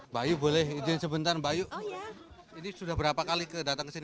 bayu boleh izin sebentar mbak ayu ini sudah berapa kali datang ke sini